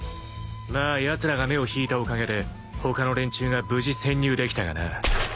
［まあやつらが目を引いたおかげで他の連中が無事潜入できたがな］